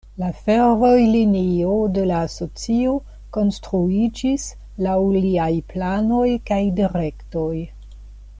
La fervojlinio de la asocio konstruiĝis laŭ liaj planoj kaj direktoj.